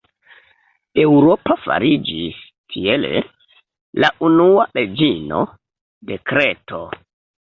Eŭropa fariĝis, tiele, la unua reĝino de Kreto.